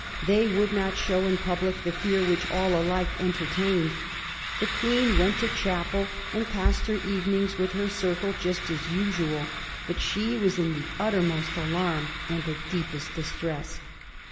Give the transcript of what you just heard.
They would not show in public the fear which all alike entertained. The Queen went to chapel, and passed her evenings with her circle just as usual ; but she was in the uttermost alarm and the deepest distress.